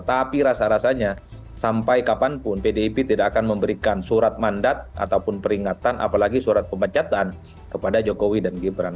tapi rasa rasanya sampai kapanpun pdip tidak akan memberikan surat mandat ataupun peringatan apalagi surat pemecatan kepada jokowi dan gibran